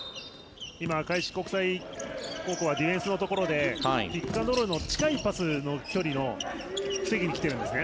今、開志国際高校はディフェンスのところでピック・アンド・ロールの近いパスの距離を防ぎにきているんですね。